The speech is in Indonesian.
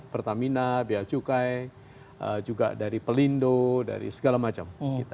pertamina bea cukai juga dari pelindo dari segala macam